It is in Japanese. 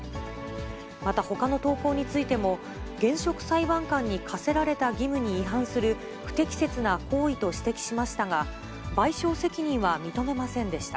またほかの投稿についても、現職裁判官に課せられた義務に違反する、不適切な行為と指摘しましたが、賠償責任は認めませんでした。